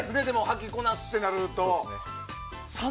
履きこなすってなると。